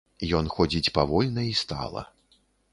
Ён ходзіць павольна і стала.